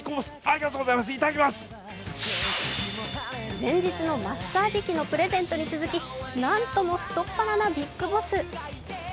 前日のマッサージ器のプレゼントに続き、なんとも太っ腹なビッグボス。